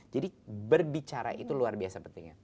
jadi berbicara itu luar biasa pentingnya